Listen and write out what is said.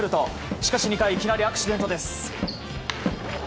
しかし、いきなりアクシデントです。